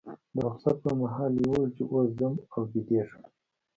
د رخصت پر مهال یې وویل چې اوس ځم او بیدېږم.